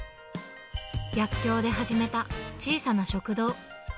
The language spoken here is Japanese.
逆境で始めた小さな食堂。